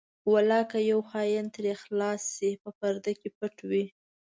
ولاکه یو خاین ترې خلاص شي په پرده کې پټ وي.